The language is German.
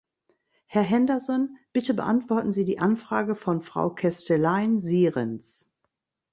Herr Henderson, bitte beantworten Sie die Anfrage von Frau Kestelijn-Sierens.